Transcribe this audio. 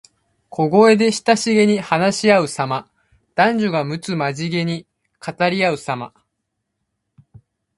小声で親しげに話しあうさま。男女がむつまじげに語りあうさま。